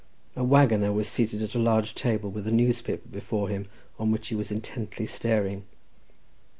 A waggoner was seated at a large table with a newspaper before him on which he was intently staring.